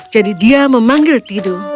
jadi dia memanggil tidu